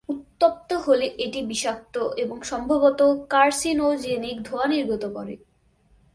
উত্তপ্ত হলে এটি বিষাক্ত এবং সম্ভবত কার্সিনোজেনিক ধোঁয়া নির্গত করে।